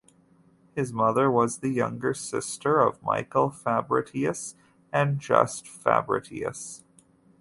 His mother was the younger sister of Michael Fabritius and Just Fabritius.